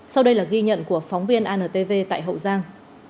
sau đây là ghi nhận của phóng viên antv tại hậu giang